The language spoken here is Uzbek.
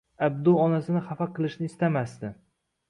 Abdu onasini xafa qilishni istamasdi